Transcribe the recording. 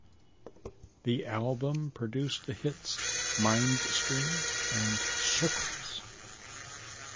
The album produced the hits "Mindstream" and "Circles".